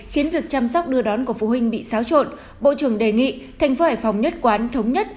để chăm sóc đưa đón của phụ huynh bị xáo trộn bộ trưởng đề nghị tp hải phòng nhất quán thống nhất